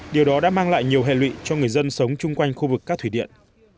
điều đó đã mang lại nhiều hệ lụy cho người dân sống chung quanh khu vực các thủy điện